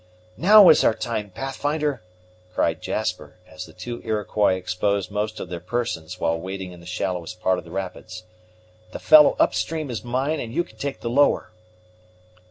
"Now is our time, Pathfinder," cried Jasper, as the two Iroquois exposed most of their persons while wading in the shallowest part of the rapids: "the fellow up stream is mine, and you can take the lower."